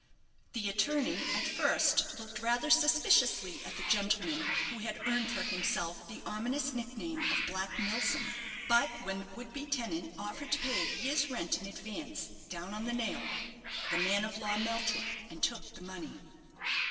The attorney at first looked rather suspiciously at the gentleman who had earned for himself the ominous nickname of Black Milsom; but when the would be tenant offered to pay a year's rent in advance down on the nail, the man of law melted, and took the money.